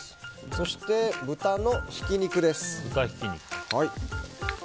そして、豚のひき肉です。